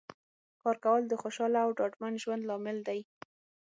کار کول د خوشحاله او ډاډمن ژوند لامل دی